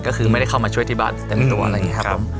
ก็คือไม่ได้เข้ามาช่วยที่บ้านเต็มตัวอะไรอย่างนี้ครับผม